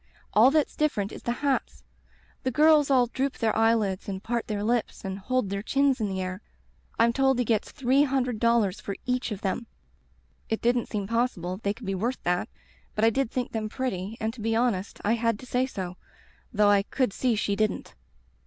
All that's different is the hats; the girls all droop their eyelids and part their lips and hold their chins in the air. I'm told he gets three hundred dollars for each of them.' "It didn't seem possible they could be worth that, but I did think them pretty and Digitized by LjOOQ IC Interventions to be honest I had to say so, though I could see she didn't.